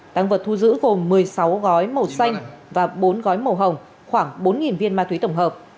tăng vật thu giữ gồm một mươi sáu gói màu xanh và bốn gói màu hồng khoảng bốn viên ma túy tổng hợp